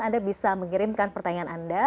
anda bisa mengirimkan pertanyaan anda